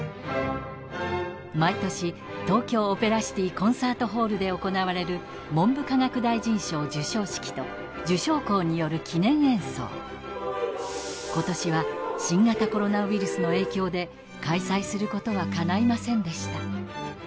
毎年東京オペラシティコンサートホールで行われる文部科学大臣賞授賞式と受賞校による記念演奏今年は新型コロナウイルスの影響で開催することはかないませんでした